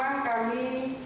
jadi kenapa memang kami